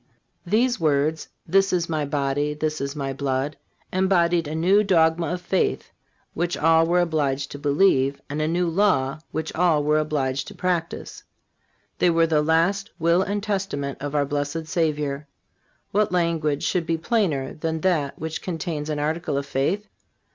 These words: "This is My body; this is My blood," embodied a new dogma of faith which all were obliged to believe, and a new law which all were obliged to practice. They were the last will and testament of our blessed Savior. What language should be plainer than that which contains an article of faith?